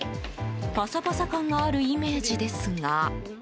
パサパサ感があるイメージですが。